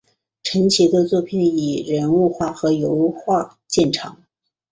陈奇的作品以人物画和油画见长。